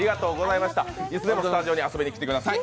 いつでもスタジオに遊びにきてください